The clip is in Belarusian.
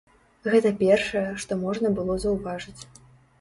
Гэта першае, што можна было заўважыць.